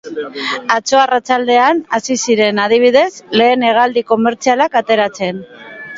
Atzo arratsaldean hasi ziren, adibidez, lehen hegaldi komertzialak ateratzen.